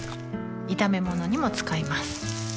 炒め物にも使います